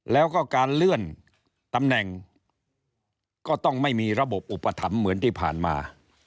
แล้วก็การเลื่อนตำแหน่งก็ต้องไม่มีระบบอุปถัมภ์เหมือนที่ผ่านมา